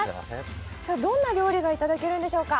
どんな料理がいただけるんでしょうか？